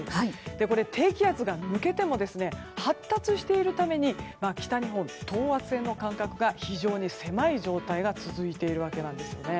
この低気圧が抜けても発達しているために北日本、等圧線の間隔が非常に狭い状態が続いているわけなんですね。